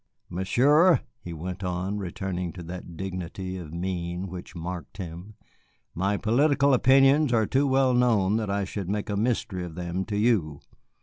"Monsieur," he went on, returning to that dignity of mien which marked him, "my political opinions are too well known that I should make a mystery of them to you.